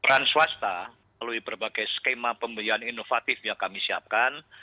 peran swasta melalui berbagai skema pembelian inovatif yang kami siapkan